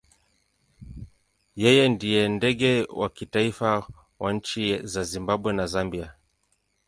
Yeye ndiye ndege wa kitaifa wa nchi za Zimbabwe na Zambia.